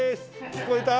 聞こえた？